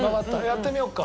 やってみようか。